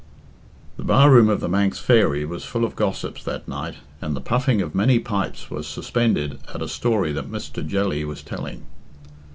The bar room of "The Manx Fairy" was full of gossips 'that night, and the puffing of many pipes was suspended at a story that Mr. Jelly was telling.